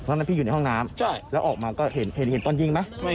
เพราะฉะนั้นพี่อยู่ในห้องน้ำใช่แล้วออกมาก็เห็นเห็นเห็นตอนยิงไหมไม่เห็น